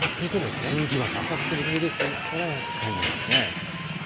あさってにかけて続くからやっかいなんです。